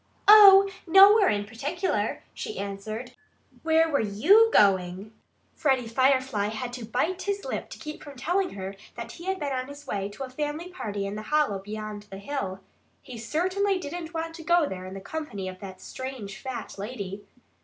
"Oh, nowhere in particular!" she answered. "Where were YOU going?" Freddie Firefly had to bite his lip to keep from telling her that he had been on his way to a family party in the hollow beyond the hill. He certainly didn't want to go there in the company of that strange fat lady.